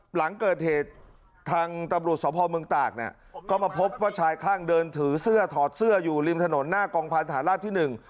หลังเกิดเหตุทางตำรวจสภเมืองตากเนี่ยก็มาพบว่าชายคลั่งเดินถือเสื้อถอดเสื้ออยู่ริมถนนหน้ากองพันธาราบที่หนึ่ง